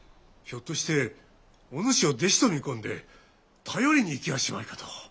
ひょっとしてお主を弟子と見込んで頼りに行きはしまいかと。